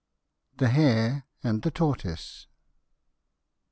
THE HARE AND THE TORTOISE.